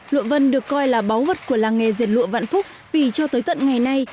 lụa vân được coi là báu vật của làng nghề dệt lụa vạn phúc vì cho tới tận ngày nay